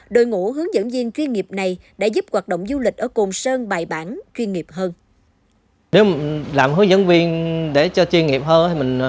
đội ngũ hướng dẫn viên chuyên nghiệp này đã giúp hoạt động du lịch ở cồn sơn bài bản chuyên nghiệp hơn